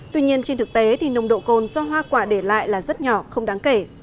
tuy nhiên trên thực tế thì nồng độ cồn do hoa quả để lại là rất nhỏ không đáng kể